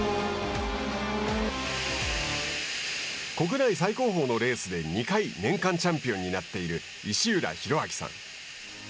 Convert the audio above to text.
国内最高峰のレースで２回年間チャンピオンになっている石浦宏明さん。